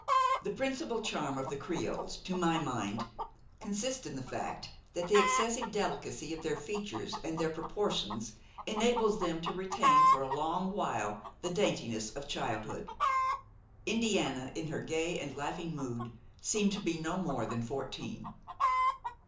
The principal charm of the Creoles, to my mind, consists in the fact that the excessive delicacy of their features and their proportions enables them to retain for a long while the daintiness of childhood. Indiana, in her gay and laughing mood, seemed to be no more than fourteen.